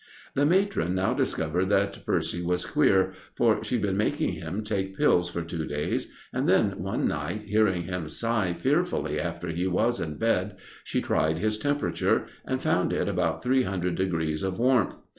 The matron now discovered that Percy was queer, for she'd been making him take pills for two days, and then one night, hearing him sigh fearfully after he was in bed, she tried his temperature, and found it about three hundred degrees of warmth.